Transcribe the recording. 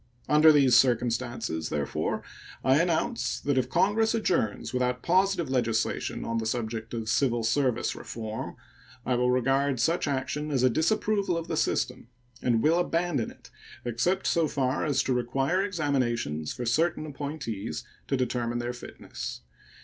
Under these circumstances, therefore, I announce that if Congress adjourns without positive legislation on the subject of "civil service reform" I will regard such action as a disapproval of the system, and will abandon it, except so far as to require examinations for certain appointees, to determine their fitness.